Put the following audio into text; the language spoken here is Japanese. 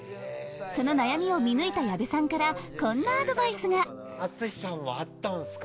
その悩みを見抜いた矢部さんからこんなアドバイスが淳さんもあったんっすか。